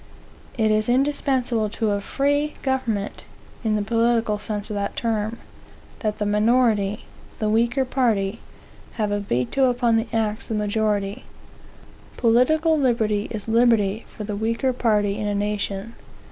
It is indispensable to a "free government," (in the political sense of that term,) that the minority, the weaker party, have a veto upon the acts of the majority. Political liberty is liberty for the weaker party in a nation.